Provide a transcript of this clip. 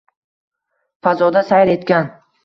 Fazoda sayr etgan